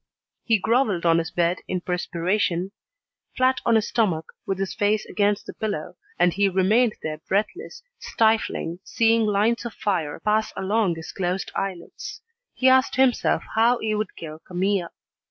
He grovelled on his bed, in perspiration, flat on his stomach, with his face against the pillow, and he remained there breathless, stifling, seeing lines of fire pass along his closed eyelids. He asked himself how he would kill Camille.